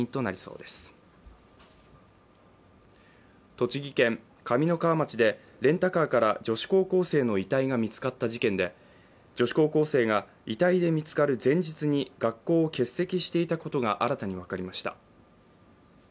栃木県上三川町でレンタカーから女子高校生の遺体が見つかった事件で女子高校生が遺体で見つかる前日に学校を欠席していたことが新たに分かりました。